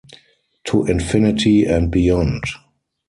To infinity and beyond!